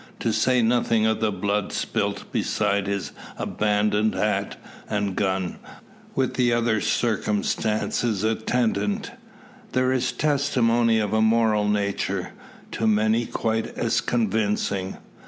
To say nothing of the blood spilt beside his abandoned hat and gun, with the other circumstances attendant, there is testimony of a moral nature, to many quite as convincing.